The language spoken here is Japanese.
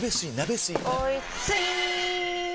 おいスイー！